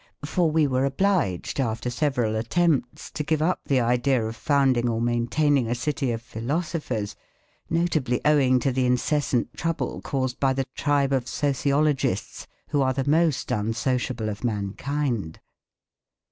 For we were obliged after several attempts to give up the idea of founding or maintaining a city of philosophers, notably owing to the incessant trouble caused by the tribe of sociologists who are the most unsociable of mankind.